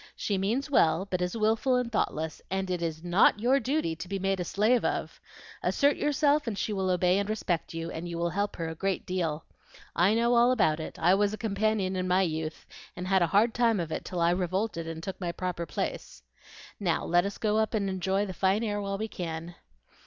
She means well, but is wilful and thoughtless, and it is NOT your duty to be made a slave of. Assert yourself and she will obey and respect you, and you will help her a great deal. I know all about it; I was a companion in my youth, and had a hard time of it till I revolted and took my proper place. Now let us go up and enjoy the fine air while we can."